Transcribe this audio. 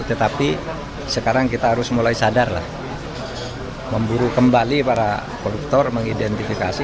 tetapi sekarang kita harus mulai sadarlah memburu kembali para koruptor mengidentifikasi